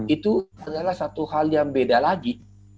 itu adalah satu hal yang beda lagi